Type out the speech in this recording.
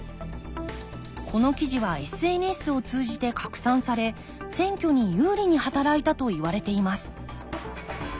この記事はＳＮＳを通じて拡散され選挙に有利に働いたといわれています